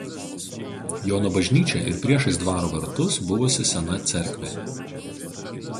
Jono bažnyčia ir priešais dvaro vartus buvusi sena cerkvė.